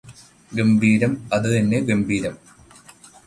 ഗംഭീരം അതുതന്നെ ഗംഭീരം